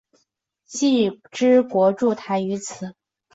既之国筑台于此。